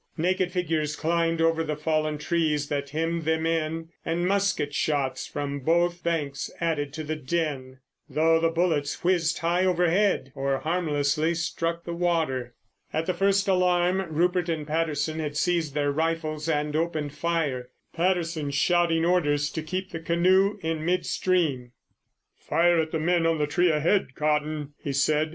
Naked figures climbed over the fallen trees that hemmed them in, and musket shots from both banks added to the din, though the bullets whizzed high overhead or harmlessly struck the water. At the first alarm Rupert and Patterson had seized their rifles and opened fire, Patterson shouting orders to keep the canoe in mid stream. "Fire at the men on the tree ahead, Cotton," he said.